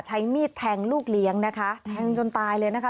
ใช้มีดแทงลูกเลี้ยงนะคะแทงจนตายเลยนะคะ